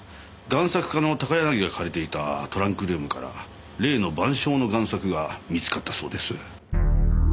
贋作家の高柳が借りていたトランクルームから例の『晩鐘』の贋作が見つかったそうです。